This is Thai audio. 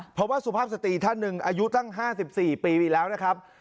เพราะว่าสุภาพสตรีท่านหนึ่งอายุตั้ง๕๔ปีไปแล้วนะครับ